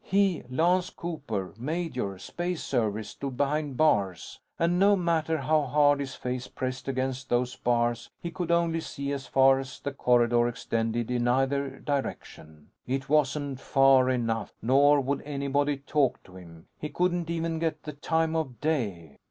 He, Lance Cooper, Major, Space Service, stood behind bars. And no matter how hard his face pressed against those bars, he could only see as far as the corridor extended in either direction. It wasn't far enough. Nor would anybody talk to him. He couldn't even get the time of day.